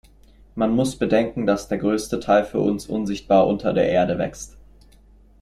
Man muss bedenken, dass der größte Teil für uns unsichtbar unter der Erde wächst.